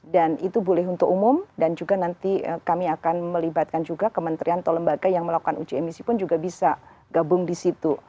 dan itu boleh untuk umum dan juga nanti kami akan melibatkan juga kementerian atau lembaga yang melakukan uji emisi pun juga bisa gabung di situ